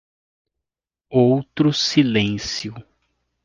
Outro silêncio